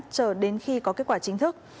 chờ đến khi có kết quả chính thức